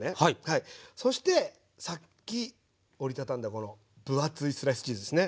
そしてさっき折り畳んだこの分厚いスライスチーズですね。